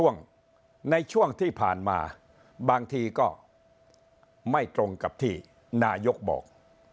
ในช่วงที่ผ่านมาบางทีก็ไม่ตรงกับที่นายกบอก